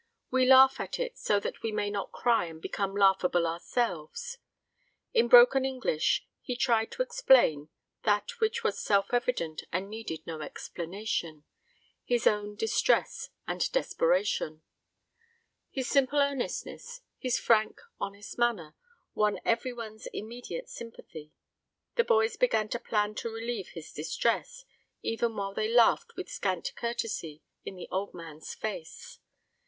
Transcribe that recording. We laugh at it so that we may not cry and become laughable ourselves. In broken English, he tried to explain that which was self evident and needed no explanation his own distress and desperation. His simple earnestness his frank, honest manner won every one's immediate sympathy. The boys began to plan to relieve his distress, even while they laughed with scant courtesy in the old man's face.